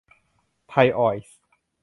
ไทยออยล์